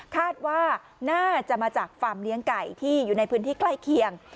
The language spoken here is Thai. คาดว่าน่าจะมาจากฟาร์มเลี้ยงไก่ที่อยู่ในพื้นที่ใกล้เคียง